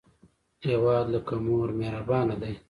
هیواد لکه مور مهربانه دی